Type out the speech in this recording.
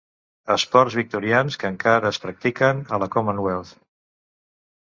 Esports victorians que encara es practiquen a la Commonwealth.